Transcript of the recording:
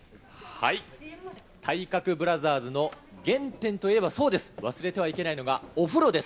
体格ブラザーズの原点といえば、そうです、忘れてはいけないのがお風呂です。